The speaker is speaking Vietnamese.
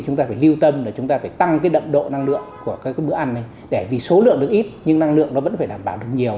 chúng ta phải lưu tâm là chúng ta phải tăng đậm độ năng lượng của bữa ăn để vì số lượng được ít nhưng năng lượng vẫn phải đảm bảo được nhiều